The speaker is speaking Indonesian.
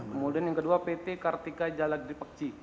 kemudian yang kedua peti kartika jalagri pakcik